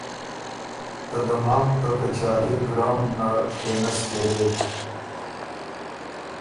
ته دمام ته کچاريېې ګراؤنډ نر ټېنس کهېلېک